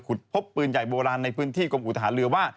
พบปืนใหญ่โบราณในพื้นที่กรมอุทหารเรือว่า